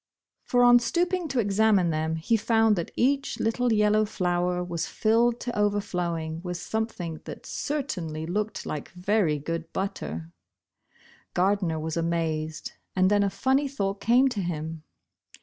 For, on stooping to examine them, he found that each little yellow flower was filled to overflowing with something that certainly looked like very good 24 Bosh Bosh Oil. butter. Gardner was amazed, and then a funny thought came to him.